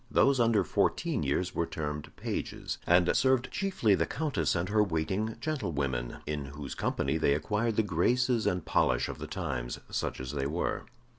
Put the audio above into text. Those under fourteen years were termed pages, and served chiefly the Countess and her waiting gentlewomen, in whose company they acquired the graces and polish of the times, such as they were.